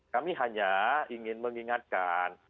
kami hanya ingin mengingatkan